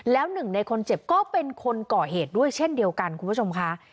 แล้วหนึ่งในคนเจ็บก็เป็นคนก่อเหตุด้วยเช่นเดียวกันคุณผู้ชมค่ะ